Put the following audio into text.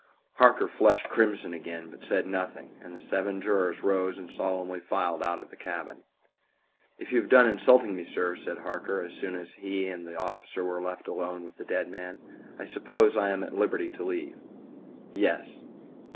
Harker flushed crimson again, but said nothing, and the seven jurors rose and solemnly filed out of the cabin. "If you have done insulting me, sir," said Harker, as soon as he and the officer were left alone with the dead man, "I suppose I am at liberty to go?" "Yes."